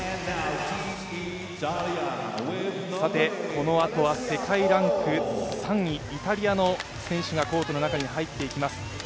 このあとは世界ランク３位、イタリアの選手がコートの中に入っていきます。